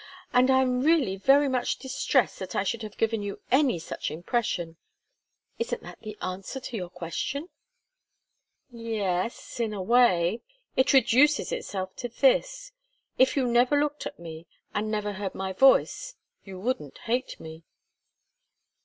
And I'm really very much distressed that I should have given you any such impression. Isn't that the answer to your question?" "Yes in a way. It reduces itself to this if you never looked at me, and never heard my voice, you wouldn't hate me."